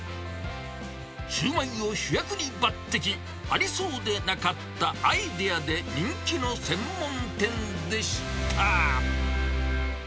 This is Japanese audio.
シュウマイを主役に抜てき、ありそうでなかったアイデアで人気の専門店でした。